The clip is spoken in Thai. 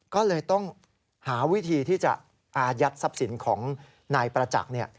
ก็เลยต้องหาวิธีที่จะอายัดทรัพย์สินของนายประจักษ์